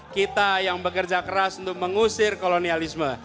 kita yang bekerja keras untuk mengusir kolonialisme